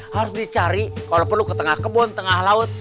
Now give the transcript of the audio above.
harus dicari kalau perlu ke tengah kebun tengah laut